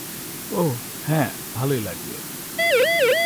ওহ, হ্যাঁ, ভালোই লাগবে।